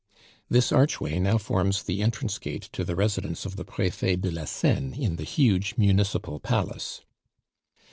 This archway now forms the entrance gate to the residence of the Prefet de la Seine in the huge municipal palace.